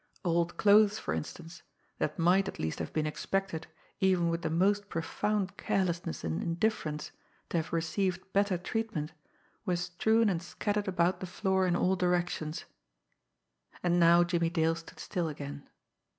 Old clothes, for instance, that might at least have been expected, even with the most profound carelessness and indifference, to have received better treatment, were strewn and scattered about the floor in all directions. And now Jimmie Dale stood still again.